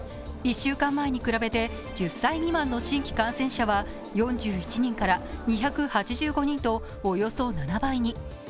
１週間前に比べて１０歳未満の新規感染者は４１人から２８５人と、およそ７倍に。